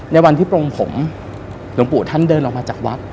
ในวันที่พระองค์ผมหลวงปู่ท่านเดินออกมาจากวัด